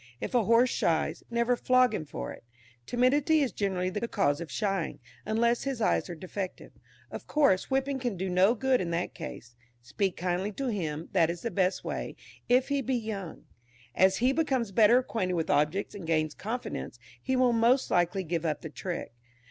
If a horse shies, never flog him for it; timidity is generally the cause of shying, unless his eyes are defective. Of course whipping can do no good in that case; speak kindly to him, that is the best way, if he be young; as he becomes better acquainted with objects and gains confidence, he will most likely give up the trick.